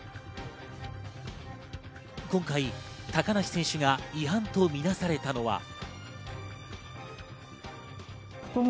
今回、高梨選手が違反とみなされたのは。